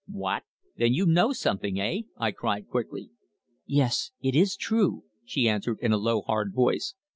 "What? Then you know something eh?" I cried quickly. "Yes. It is true!" she answered in a low, hard voice.